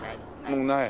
もうない？